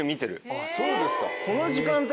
あぁそうですか。